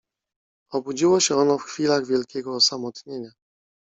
Obudziło się ono w chwilach wielkiego osamotnienia.